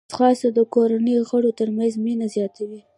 ځغاسته د کورنۍ غړو ترمنځ مینه زیاتوي